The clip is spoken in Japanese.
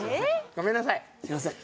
ごめんなさいすいません